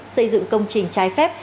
xây dựng công trình trái phép